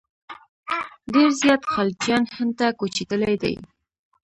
ډېر زیات خلجیان هند ته کوچېدلي دي.